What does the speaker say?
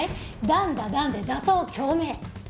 ダンダダンで打倒京明！